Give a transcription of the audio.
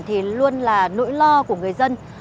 thì luôn là nỗi lo của người dân